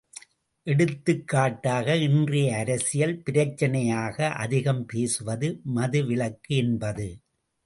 எடுத்துக் காட்டாக இன்றைய அரசியல் பிரச்சனையாக அதிகம் பேசுவது மது விலக்கு என்பது.